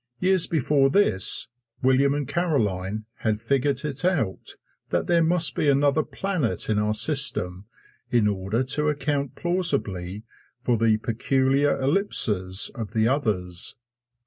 Years before this, William and Caroline had figured it out that there must be another planet in our system in order to account plausibly for the peculiar ellipses of the others.